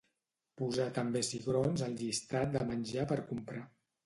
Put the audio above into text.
Posar també cigrons al llistat de menjar per comprar.